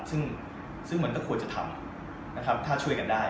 ซึ่งมันก็ควรจะทำนะครับถ้าช่วยกันได้